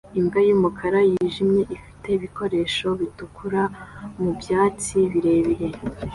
Imbwa yumukara nijimye ifite ibikoresho bitukura mubyatsi birebire